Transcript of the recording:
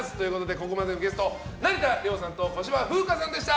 ここまでのゲスト成田凌さんと小芝風花さんでした。